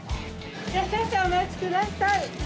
・少々おまちください。